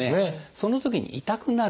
そのときに痛くなる人。